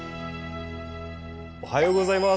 おはようございます。